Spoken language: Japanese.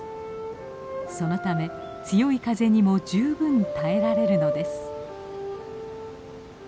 そのため強い風にも十分耐えられるのです。